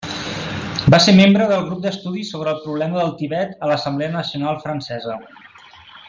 Va ser membre del grup d'estudis sobre el problema del Tibet a l'Assemblea Nacional Francesa.